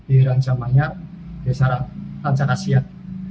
di ransamanya desara ransakasiat